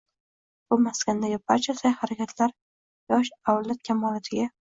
Bu maskandagi barcha sa’y-harakatlar yosh avlod kamolotiga.